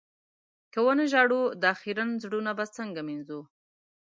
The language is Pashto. که و نه ژاړو، دا خيرن زړونه به څنګه مينځو؟